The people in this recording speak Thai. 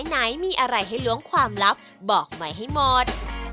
ไหนมีอะไรให้ล้วงความลับบอกใหม่ให้หมด